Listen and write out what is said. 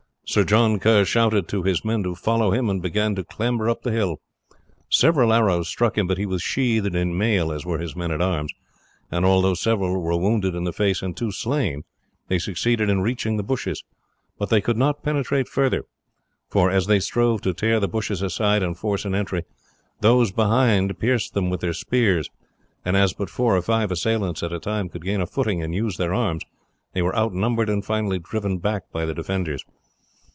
Sir John Kerr shouted to his men to follow him, and began to clamber up the hill. Several arrows struck him, but he was sheathed in mail, as were his men at arms, and although several were wounded in the face and two slain they succeeded in reaching the bushes, but they could not penetrate further, for as they strove to tear the bushes aside and force an entry, those behind pierced them with their spears, and as but four or five assailants at a time could gain a footing and use their arms they were outnumbered and finally driven back by the defenders.